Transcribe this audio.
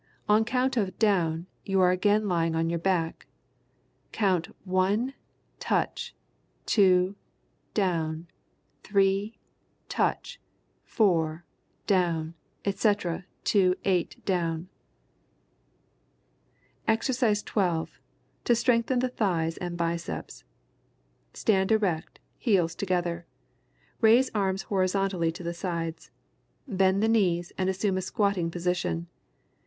On count of "down" you are again lying on your back. Count "one, touch, two, down, three, touch, four, down," etc., to "eight, down." [Illustration: EXERCISE 12. To strengthen the thighs and biceps.] Stand erect, heels together. Raise arms horizontally to the sides. Bend the knees and assume a squatting position.